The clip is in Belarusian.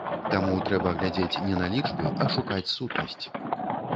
Таму трэба глядзець не на лічбы, а шукаць сутнасць.